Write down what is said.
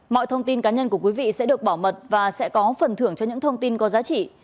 mọi thông tin cá nhân của quý vị sẽ được bảo mật và sẽ có phần thưởng cho những thông tin có giá trị